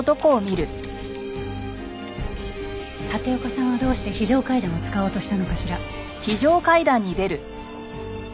立岡さんはどうして非常階段を使おうとしたのかしら。